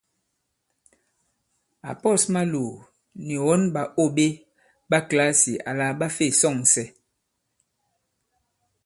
Ǎ pɔ̌s Maloò nì wɔn ɓàô ɓe ɓa kìlasì àla ɓa fe sɔ̂ŋsɛ.